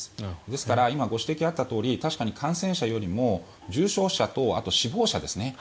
ですから今ご指摘があったように確かに感染者よりも重症者と、あとは死亡者ですね。